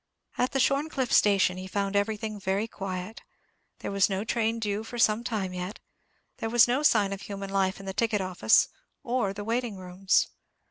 At the Shorncliffe station he found everything very quiet. There was no train due for some time yet; there was no sign of human life in the ticket office or the waiting rooms.